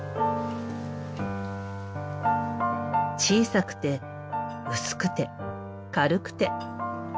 小さくて薄くて軽くて。